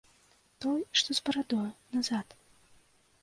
Той, што з барадою, назад.